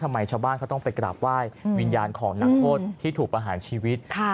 ชาวบ้านเขาต้องไปกราบไหว้วิญญาณของนักโทษที่ถูกประหารชีวิต